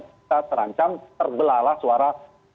kita terancam terbelahlah suara